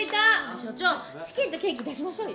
所長チキンとケーキ出しましょうよ。